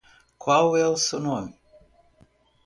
Qual é o seu nome?